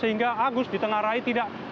sehingga agus di tengah rai tidak